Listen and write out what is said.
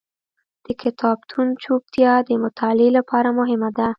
د کتابتون چوپتیا د مطالعې لپاره مهمه ده.